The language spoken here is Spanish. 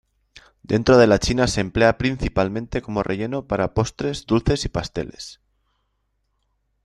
Dentro de la china se emplea principalmente como relleno para postres dulces y pasteles.